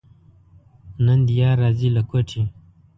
نن دې یار راځي له کوټې.